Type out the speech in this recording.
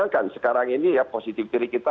dan sekarang ini ya positif diri kita